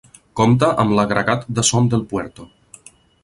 Compta amb l'agregat de Son del Puerto.